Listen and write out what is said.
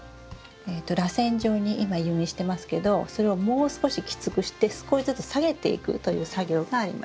らせん状に今誘引してますけどそれをもう少しきつくして少しずつ下げていくという作業があります。